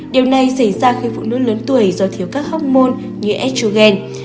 điều này xảy ra khi phụ nữ lớn tuổi do thiếu các hốc môn như estrogen